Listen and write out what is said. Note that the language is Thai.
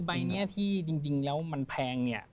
ใบนี้ที่จริงแล้วมันแพง